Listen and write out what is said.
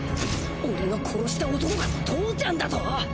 俺の殺した男が父ちゃんだと！？